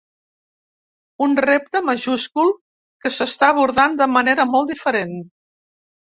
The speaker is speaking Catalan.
Un repte majúscul que s’està abordant de manera molt diferent.